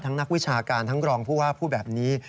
ทั้งนักวิชาการทั้งรองภูมิผู้แบบนี้